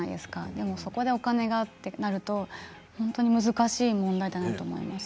でもそこでお金が、となると本当に難しい問題だなと思います。